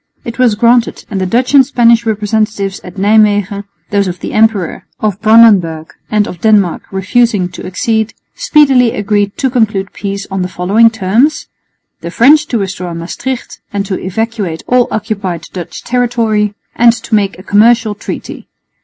It was granted, and the Dutch and Spanish representatives at Nijmwegen (those of the emperor, of Brandenburg and of Denmark refusing to accede) speedily agreed to conclude peace on the following terms: the French to restore Maestricht and to evacuate all occupied Dutch territory, and to make a commercial treaty.